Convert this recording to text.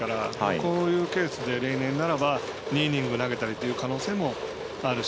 こういうケースで例年ならば２イニング投げたりという可能性もあるし。